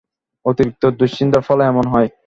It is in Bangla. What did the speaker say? অতিরিক্ত দুশ্চিন্তার ফলে এমন হয়।